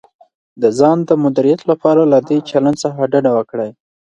د ځان د مدیریت لپاره له دې چلند څخه ډډه وکړئ: